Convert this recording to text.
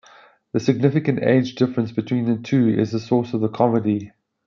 The significant age difference between the two is the source of the comedy.